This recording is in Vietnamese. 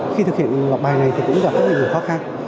khi thực hiện loạt bài này thì cũng gặp rất là nhiều khó khăn